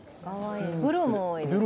ブルーも多いですね。